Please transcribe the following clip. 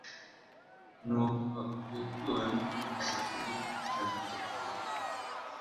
nuko yozuwe n'abayisraheli baratabaruka